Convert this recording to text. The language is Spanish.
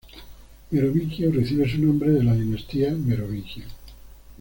Merovingio recibe su nombre de la dinastía Merovingia.